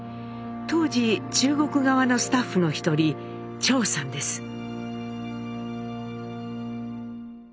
当時中国側のスタッフの一人張さんです。